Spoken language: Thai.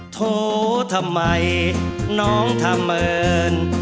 โถทำไมน้องทำเหมือน